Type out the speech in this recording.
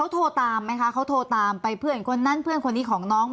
ยายก็ยังแอบไปขายขนมแล้วก็ไปถามเพื่อนบ้านว่าเห็นไหมอะไรยังไง